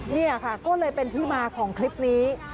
นี่ค่ะก็เลยเป็นที่มาของคลิปนี้